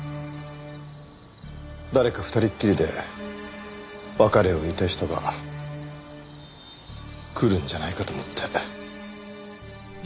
誰か二人きりで別れを言いたい人が来るんじゃないかと思って。